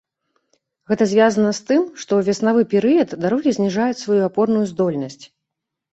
Гэта звязана з тым, што ў веснавы перыяд дарогі зніжаюць сваю апорную здольнасць.